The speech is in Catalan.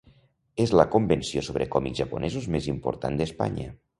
És la convenció sobre còmics japonesos més important d'Espanya.